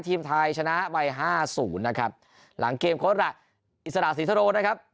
ทีมไทยชนะวัย๕๐นะครับหลังเกมโค้ดละอิสระศรีธรณ์นะครับ